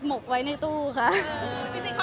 มันเป็นปัญหาจัดการอะไรครับ